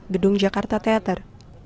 gedung jakarta theater